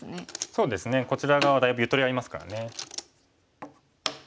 そうですねこちら側だいぶゆとりありますからね。